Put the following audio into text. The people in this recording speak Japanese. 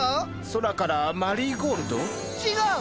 空からマリーゴールド？違う！